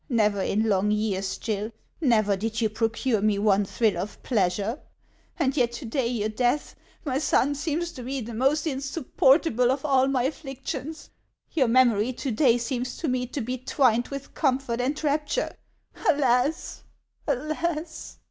Never, in long years, Gill, never did you procure me one thrill of pleasure ; and yet to day your death, my son, seems to me the most insupportable of all my afflictions. Your memory to day seems to me to be twined with comfort and rapture. Alas .' alas